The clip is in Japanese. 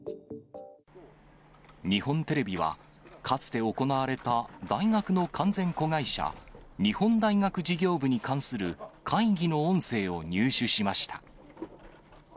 日本テレビは、かつて行われた、大学の完全子会社、日本大学事業部に関する会議の音声を入手しました。